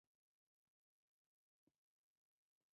• واده د مینې او وفادارۍ تړون دی.